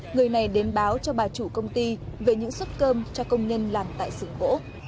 người này đến báo cho bà chủ công ty về những xuất cơm cho công nhân làm tại xửng vỗ